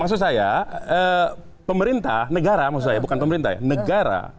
maksud saya pemerintah negara maksud saya bukan pemerintah ya negara